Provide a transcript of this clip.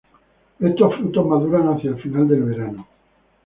Estos frutos maduran hacia el final del verano.